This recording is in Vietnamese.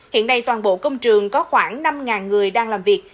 hiện nay toàn bộ công trường có khoảng năm người đang làm việc